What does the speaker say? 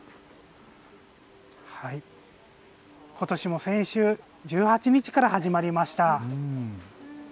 ことしも先週１８日から始まりました。